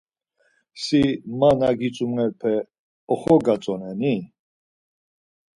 Si man na gitzumerpe oxogatzoneni?